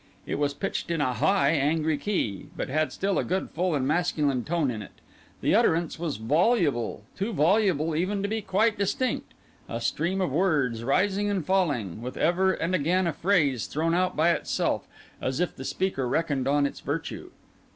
It was pitched in a high, angry key, but had still a good, full, and masculine note in it. The utterance was voluble, too voluble even to be quite distinct; a stream of words, rising and falling, with ever and again a phrase thrown out by itself, as if the speaker reckoned on its virtue.